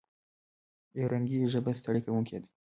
یو رنګي ژبه ستړې کوونکې ده.